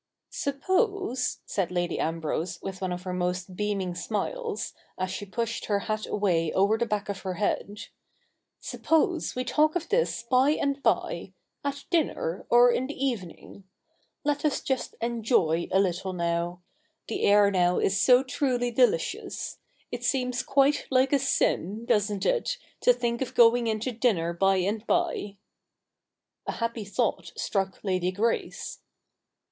' Suppose —'" said Lady Ambrose with one of her most beaming smiles, as she pushed her hat away over the back of her head, ' suppose we talk of this by and by — at dinner, or in the evening. Let us just ejijoy a little now. The air now is so truly delicious. It seems quite like a sin, doesn't it, to think of going in to dinner by and by.' A happy thought struck Lady Grace.